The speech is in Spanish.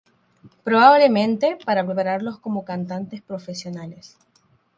Probablemente para prepararlos como cantantes profesionales.